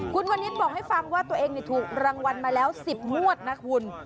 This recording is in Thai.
คุณวันนี้บอกให้ฟังว่าตัวเองถูกรางวัลมาแล้ว๑๐งวดนะคุณ